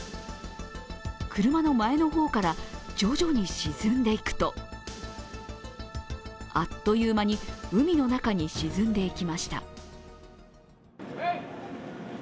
車の前の方から徐々に沈んでいくとあっという間に海の中に沈んでいきました。